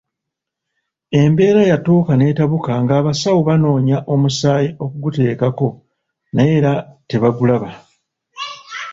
Embeera yatuuka n'etabuka ng'abasawo banoonya omusaayi okuguteekako naye era tebagulaba.